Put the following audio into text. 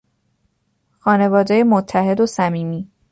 خانوادهی متحد و صمیمی